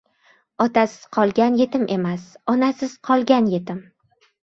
• Otasiz qolgan yetim emas, onasiz qolgan — yetim.